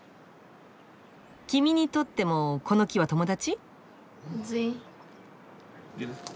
君にとってもこの木は友達？